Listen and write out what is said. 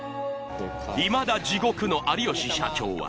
いまだ地獄のありよし社長は。